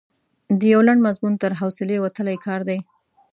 د یو لنډ مضمون تر حوصلې وتلی کار دی.